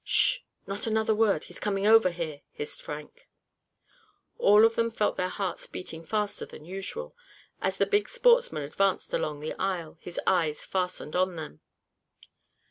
"Sh! not another word; he's coming over here!" hissed Frank. All of them felt their hearts beating faster than usual, as the big sportsman advanced along the aisle, his eyes fastened on them.